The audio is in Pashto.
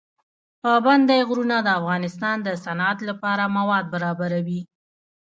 پابندی غرونه د افغانستان د صنعت لپاره مواد برابروي.